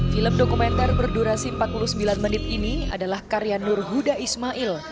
film dokumenter berdurasi empat puluh sembilan menit ini adalah karya nur huda ismail